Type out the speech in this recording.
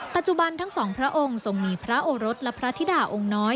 ปัจจุบันทั้งสองพระองค์ทรงมีพระโอรสและพระธิดาองค์น้อย